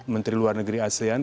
menteri luar negeri asean